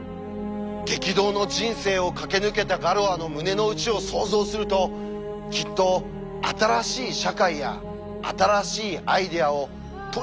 激動の人生を駆け抜けたガロアの胸の内を想像するときっと新しい社会や新しいアイデアをとにかく作り上げて広めたい！